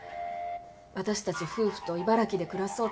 私たち夫婦と茨城で暮らそうって。